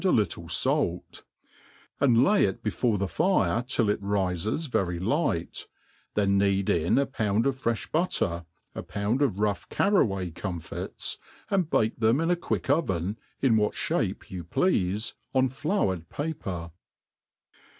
a little fait; and lay it before the fire till it rifes very light, then knead iii a pound of frdh batter, a pound of rough carraway* comfits, and bake then;i in a quick ovcn^ in what Ihape you pleafe, on floured paper, r# MADE FLAIN AND EASY.